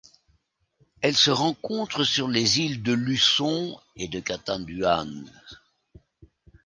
Elle se rencontre sur les îles de Luçon et de Catanduanes.